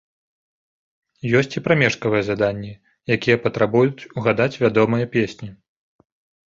Ёсць і прамежкавыя заданні, якія патрабуюць угадаць вядомыя песні.